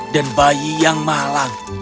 dan bayi yang malang